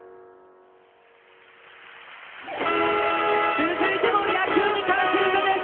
続いても野球に関する歌です。